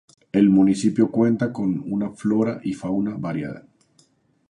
El municipio cuenta con una flora y fauna variada.